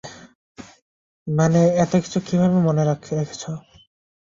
মানে, এতকিছু কীভাবে মনে রেখেছো?